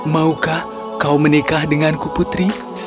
maukah kau menikah denganku putri